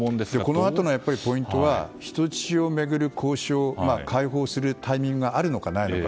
このあとのポイントは人質を巡る交渉解放するタイミングがあるのかないのか。